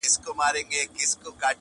که پنجشېر دی، که واخان دی، وطن زما دی؛